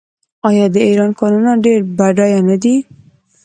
آیا د ایران کانونه ډیر بډایه نه دي؟